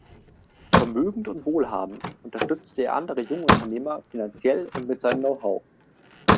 Vermögend und wohlhabend unterstützte er andere Jungunternehmer finanziell und mit seinem Know-how.